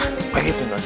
eh sudah aja